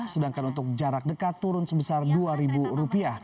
sedangkan untuk jarak dekat turun sebesar rp dua